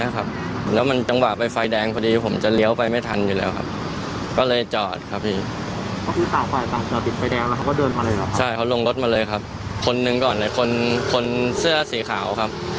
กลับมากันเสื้อสีขาวครับ